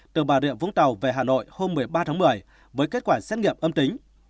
từ bà rịa vũng tàu về hà nội hôm một mươi ba tháng một mươi với kết quả xét nghiệm âm tính